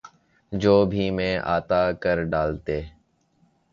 جو جی میں آتا کر ڈالتے۔